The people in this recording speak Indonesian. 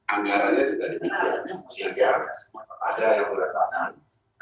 anggaranya juga dibikin agar ada yang melakukan